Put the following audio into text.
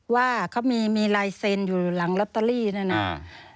ว่าเขามีลายเซ็นต์อยู่หลังลอตเตอรี่เนี่ยนะ